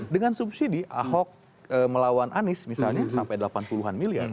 dengan subsidi ahok melawan anies misalnya sampai delapan puluh an miliar